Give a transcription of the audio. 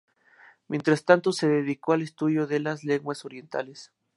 Mientras tanto, se dedicó al estudio de las lenguas orientales.